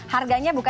harganya bukan kw